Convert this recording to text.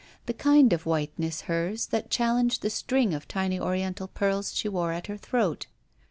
The kind of whiteness hers that challenged the string of tiny Oriental pearls she wore at her throat.